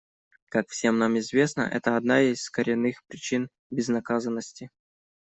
Как всем нам известно, это одна из коренных причин безнаказанности.